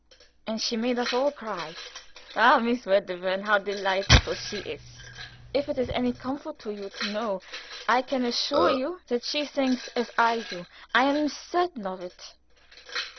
and she made us all cry." "Ah, Miss Wedderburn! How delightful she is." "If it is any comfort to you to know, I can assure you that she thinks as I do. I am certain of it."